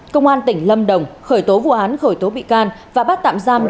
công an tỉnh lâm đồng khởi tố vụ án khởi tố bị can và bắt tạm giam